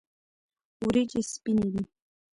وریجې سپینې دي.